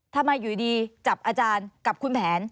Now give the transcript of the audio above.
ทำไมอยู่ดีจับอาจารย์กับคุณแผน